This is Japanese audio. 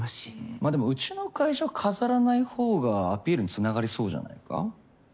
まあでもうちの会社は飾らないほうがアピールにつながりそうじゃないか？